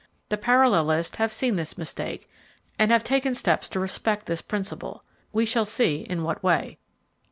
The parallelists have seen this mistake, and have taken steps to respect this principle: we shall see in what way.